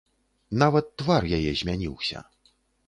Нават твар яе змяніўся.